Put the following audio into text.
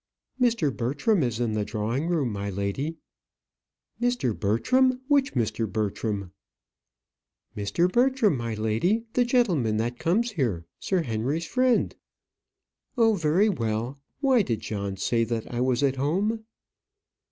"Mr. Bertram is in the drawing room, my lady." "Mr. Bertram! Which Mr. Bertram?" "Mr. Bertram, my lady; the gentleman that comes here. Sir Henry's friend." "Oh, very well. Why did John say that I was at home?"